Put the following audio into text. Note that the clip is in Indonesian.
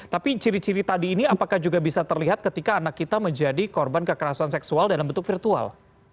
tapi ciri ciri tadi ini apakah juga bisa terlihat ketika anak kita menjadi korban kekerasan seksual dalam bentuk virtual